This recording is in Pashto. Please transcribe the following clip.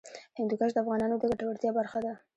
هندوکش د افغانانو د ګټورتیا برخه ده.